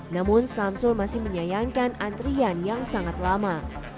namun samsul masih menyayangkan antrian yang sangat lama